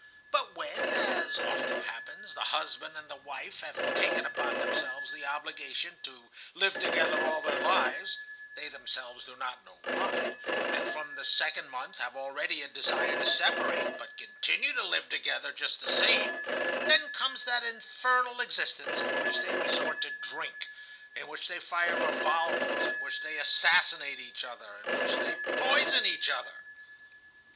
But when, as often happens, the husband and the wife have taken upon themselves the obligation to live together all their lives (they themselves do not know why), and from the second month have already a desire to separate, but continue to live together just the same, then comes that infernal existence in which they resort to drink, in which they fire revolvers, in which they assassinate each other, in which they poison each other."